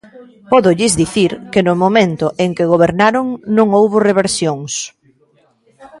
Pódolles dicir que no momento en que gobernaron non houbo reversións.